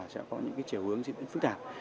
sẽ có những chiều hướng diễn biến phức tạp